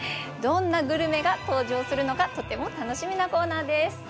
どんなグルメが登場するのかとても楽しみなコーナーです。